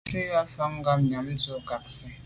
Ntshùa mfà ngabnyàm ndù a kag nsi,